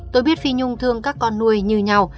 tôi biết phi nhung thương các con nuôi như nhau